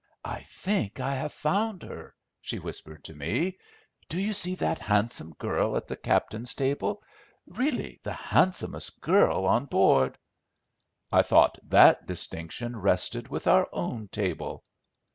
"I think I have found her," she whispered to me. "Do you see that handsome girl at the captain's table. Really the handsomest girl on board." "I thought that distinction rested with our own table."